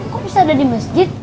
kok bisa ada di masjid